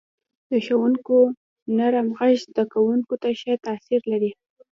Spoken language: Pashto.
• د ښوونکو نرم ږغ زده کوونکو ته ښه تاثیر لري.